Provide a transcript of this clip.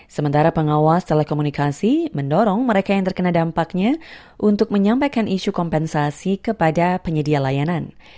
sementara pengawas telekomunikasi mendorong mereka yang terkena dampaknya untuk menyampaikan isu kompensasi kepada penyedia layanan